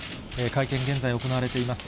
会見、現在行われています。